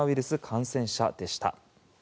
感染者でした。